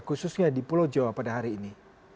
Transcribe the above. khususnya di pulau jawa pada hari ini